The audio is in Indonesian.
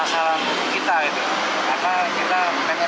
udah sampai nikmatin makan siang mas